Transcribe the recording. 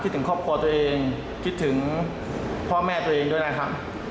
ถึงครอบครัวตัวเองคิดถึงพ่อแม่ตัวเองด้วยนะครับ